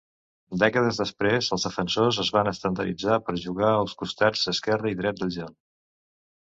Dècades després, els defensors es van estandarditzar per jugar als costats esquerre i dret del gel.